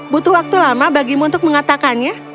butuh waktu lama bagimu untuk mengatakannya